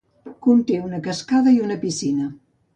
Conté una cascada i una piscina.